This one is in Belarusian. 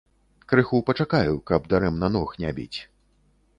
Крыху пачакаю, каб дарэмна ног не біць.